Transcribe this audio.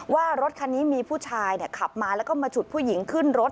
ว่ารถคันนี้มีผู้ชายขับมาแล้วก็มาฉุดผู้หญิงขึ้นรถ